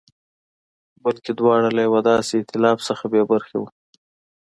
بلکې دواړه له یوه داسې اېتلاف څخه بې برخې وو.